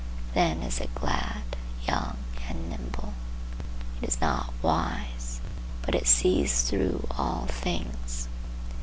Then is it glad, young and nimble. It is not wise, but it sees through all things.